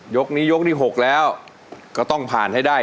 ยกนี้ยกที่๖แล้วก็ต้องผ่านให้ได้